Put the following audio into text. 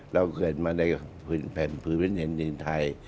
เราเกิดมาในแผ่นพื้นหินดินไทย